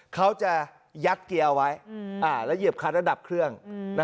เขาจะยัดเกียร์เอาไว้แล้วเหยียบคันระดับเครื่อง